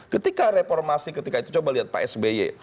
ketika reformasi ketika itu coba lihat pak sby